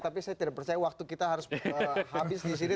tapi saya tidak percaya waktu kita harus habis disini